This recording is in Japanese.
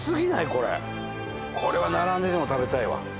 これは並んででも食べたいわ。